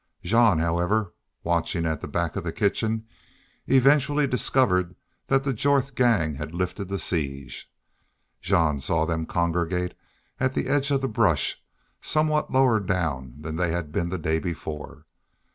Jean, however, watching at the back of the kitchen, eventually discovered that the Jorth gang had lifted the siege. Jean saw them congregate at the edge of the brush, somewhat lower down than they had been the day before.